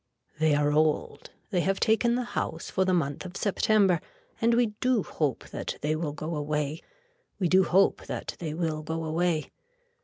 They are old. They have taken the house for the month of September and we do hope that they will go away. We do hope that they will go away.